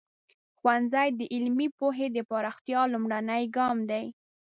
ښوونځی د علمي پوهې د پراختیا لومړنی ګام دی.